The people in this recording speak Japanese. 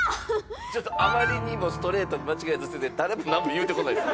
ちょっとあまりにもストレートに間違えたせいで誰もなんも言うてこないですね。